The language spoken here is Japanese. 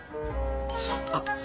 あっ